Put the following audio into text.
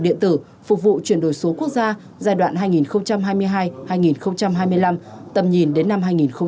điện tử phục vụ chuyển đổi số quốc gia giai đoạn hai nghìn hai mươi hai hai nghìn hai mươi năm tầm nhìn đến năm hai nghìn ba mươi